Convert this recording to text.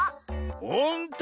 ほんとだ！